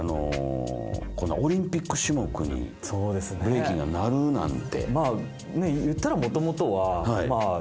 オリンピック種目にブレイキンがなるなんて。